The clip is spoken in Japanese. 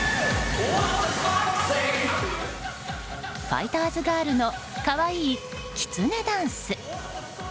ファイターズガールの可愛い、きつねダンス。